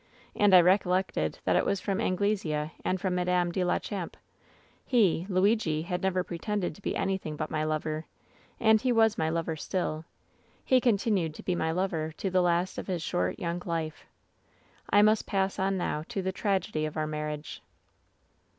And I recollected that it was from Angle* sea and from Madame de la Champe. 174 WHEN SHADOWS DEE "He — ^Lui^ — ^had never pretended to be anything but my lover. And he was my lover still. He continued to be my lover to the last of his short, young life. "I must pass on now to the tragedy of our marriage.'